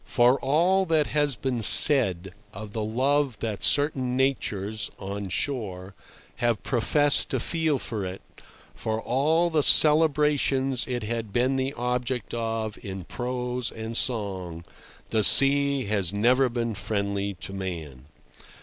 For all that has been said of the love that certain natures (on shore) have professed to feel for it, for all the celebrations it had been the object of in prose and song, the sea has never been friendly to man.